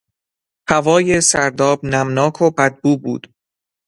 هوای سرداب نمناک و بد بو بود.